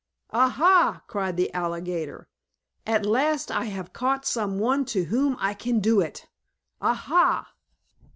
"Ah, ha!" cried the alligator. "At last I have caught some one to whom I can do it! Ah, ha!"